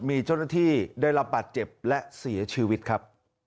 มีเจ้าหน้าที่ได้รับบาดเจ็บและเสียชีวิตครับ